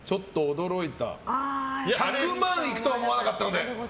１００万いくとは思わなかったので。